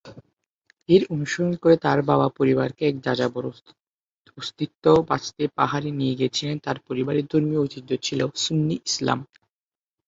এর অনুসরণ করে তার বাবা পরিবারকে এক যাযাবর অস্তিত্ব বাঁচতে পাহাড়ে নিয়ে গিয়েছিলেন তার পরিবারের ধর্মীয় ঐতিহ্য ছিল সুন্নি ইসলাম।